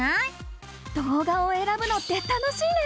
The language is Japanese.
動画をえらぶのって楽しいね！